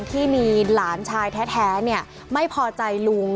ที่มีหลานชายแท้ไม่พอใจลุง